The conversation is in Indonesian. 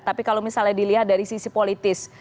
tapi kalau misalnya dilihat dari sisi politis